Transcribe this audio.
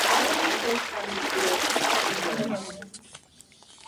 El sencillo está disponible exclusivamente como descarga digital.